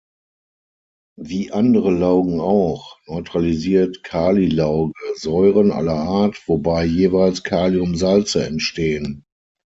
Wie andere Laugen auch, neutralisiert Kalilauge Säuren aller Art, wobei jeweils Kaliumsalze entstehen.